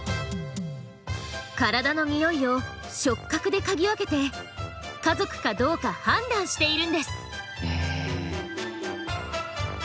体の匂いを触角で嗅ぎ分けて家族かどうか判断しているんです。